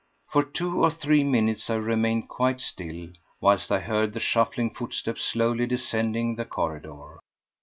For two or three minutes I remained quite still, whilst I heard the shuffling footsteps slowly descending the corridor.